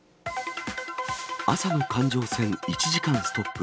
朝の環状線１時間ストップ。